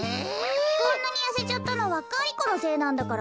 こんなにやせちゃったのはガリ子のせいなんだから。